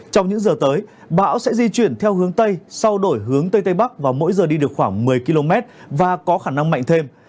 trong những giờ tới bão sẽ di chuyển theo hướng tây sau đổi hướng tây tây bắc và mỗi giờ đi được khoảng một mươi km và có khả năng mạnh thêm